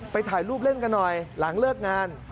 ถ่ายรูปเล่นกันหน่อยหลังเลิกงาน